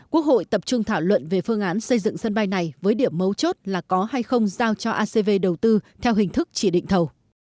quốc hội tập trung thảo luận về phương án xây dựng sân bay này với điểm mấu chốt là có hay không giao cho acv đầu tư theo hình thức chỉ định thầu